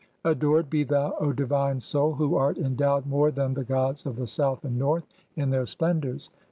'Adored be thou, O divine Soul, who art endowed more than 'the gods of the South and North [in] their splendours!